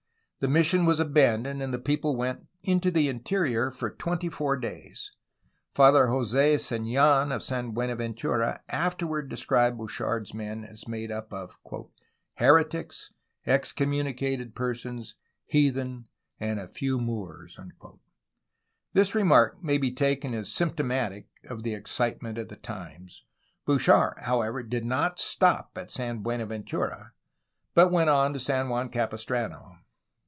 The mission was abandoned, and the people went into the interior for twenty four days. Father Jose Sendn of San Buenaventura afterward described Bouchard's men as made up of "heretics, excommunicated persons, heathen, and a few Moors." This remark may be taken as symptomatic of the excitement of the times! Bouchard, however, did not stop at San Buenaventura, but went on to San Juan Capistrano.